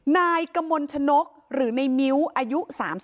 นายกมลชนกหรือในมิ้วอายุ๓๒